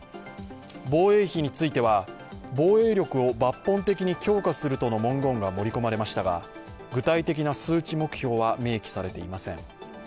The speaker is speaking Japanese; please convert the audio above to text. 防衛費については防衛力を抜本的に強化するとの文言が盛り込まれましたが、具体的な数値目標は明記されていません。